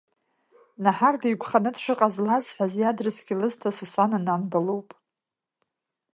Наҳар деиқәханы дшыҟаз лазҳәаз, иадресгьы лызҭаз Сусана Нанба лоуп.